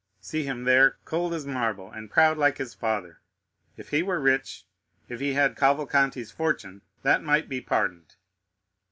See him there, cold as marble and proud like his father. If he were rich, if he had Cavalcanti's fortune, that might be pardoned.